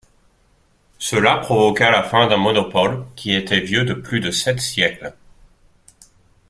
Cela provoqua la fin d'un monopole qui était vieux de plus de sept siècles.